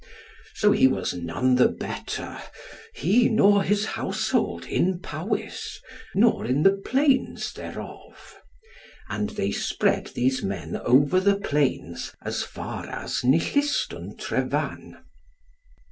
So he was none the better, he nor his household, in Powys, nor in the plains thereof. And they spread these men over the plains as far as Nillystwn Trevan.